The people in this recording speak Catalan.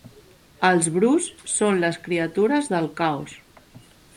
Els Broos són les criatures del caos.